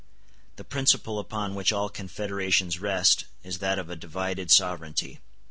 The principle upon which all confederations rest is that of a divided sovereignty.